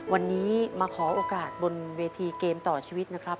วันนี้มาขอโอกาสบนเวทีเกมต่อชีวิตนะครับ